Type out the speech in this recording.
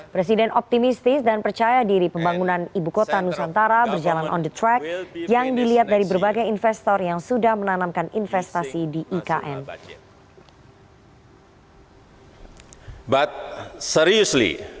presiden optimistis dan percaya diri pembangunan ibu kota nusantara berjalan on the track yang dilihat dari berbagai investor yang sudah menanamkan investasi di ikn